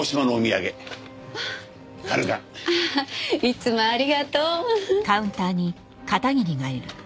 いつもありがとう。